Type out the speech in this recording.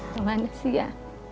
gimana sih ya